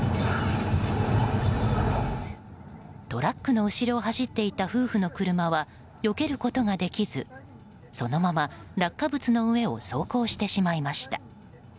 トラックの後ろを走っていた夫婦の車はよけることができず、そのまま落下物の上を走行してしまいました。